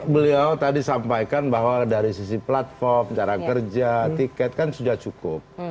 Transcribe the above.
beliau tadi sampaikan bahwa dari sisi platform cara kerja tiket kan sudah cukup